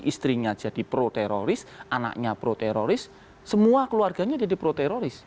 istrinya jadi pro teroris anaknya pro teroris semua keluarganya jadi pro teroris